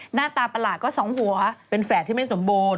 หน้าตาประหลาดก็สองหัวเป็นแฝดที่ไม่สมบูรณ